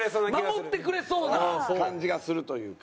守ってくれそうな感じがするというか。